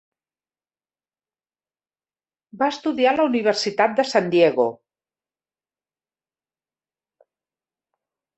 Va estudiar a la Universitat de San Diego.